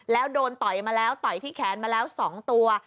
แล้วโดนต่อยมาแล้วต่อยที่แขนมาแล้ว๒ตัว